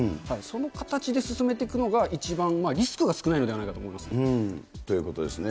その形で進めていくのが一番リスクが少ないのではないかと思いまということですね。